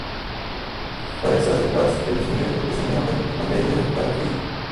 Fuerzas de paz de los ingresos representa una fuente importante de ingresos para Fiyi.